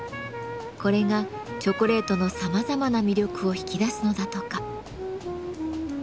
これがチョコレートのさまざまな魅力を引き出すのだとか。